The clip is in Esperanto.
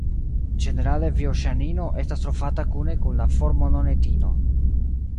Ĝenerale bioŝanino estas trovata kune kun la formononetino.